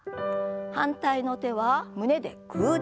反対の手は胸でグーです。